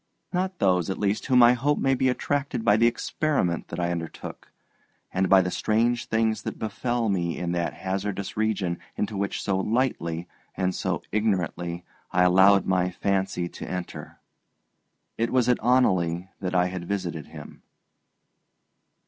Not those, at least, whom I hope may be attracted by the experiment that I undertook, and by the strange things that befell me in that hazardous region into which so lightly and so ignorantly I allowed my fancy to enter. It was at Oneleigh that I had visited him.